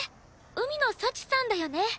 海野幸さんだよね？